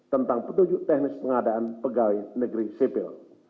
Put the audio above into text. tentang petunjuk teknis pengadaan pegawai negeri sipil